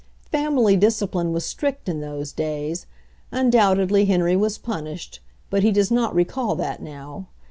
Family discipline was strict in those days. Un doubtedly Henry was punished, but he does not recall that now.